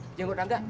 eh jangan gua tangka